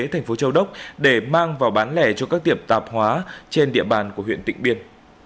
thành phố châu đốc để mang vào bán lẻ cho các tiệm tạp hóa trên địa bàn của huyện tịnh biên